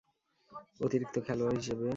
অতিরিক্ত খেলোয়ার হিসেবে।